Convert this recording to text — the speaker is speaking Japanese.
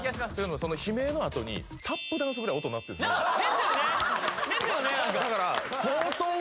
その悲鳴のあとにタップダンスぐらい音鳴ってんですよねですよね？